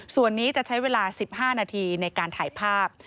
ส่วนนี้จะใช้เวลา๑๕นาทีในการถ่ายภาพ